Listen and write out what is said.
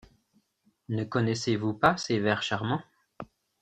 Ne connaissez-vous pas ces vers charmants?